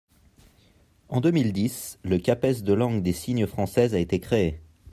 En deux mille dix, le CAPES de langue des signes française a été créé.